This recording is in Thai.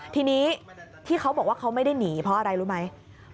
ทีนี้ที่เขาบอกว่าเขาไม่ได้หนีเพราะอะไรรู้ไหม